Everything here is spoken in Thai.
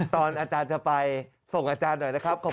อาจารย์จะไปส่งอาจารย์หน่อยนะครับ